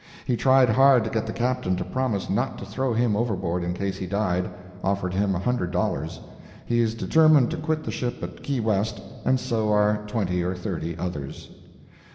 He tried hard to get the Captain to promise not to throw him overboard in case he died—offered him a hundred dollars. He is determined to quit the ship at Key West, and so are twenty or thirty others."